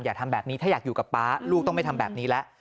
อย่าทำแบบนี้ถ้าอยากอยู่กับป๊าลูกต้องไม่ทำแบบนี้แล้ว